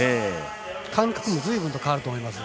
感覚もずいぶんと変わると思います。